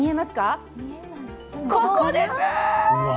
ここです！